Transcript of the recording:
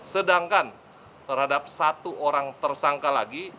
sedangkan terhadap satu orang tersangka lagi